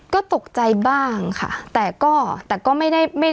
ก็ตกใจบ้างค่ะแต่ก็ไม่ได้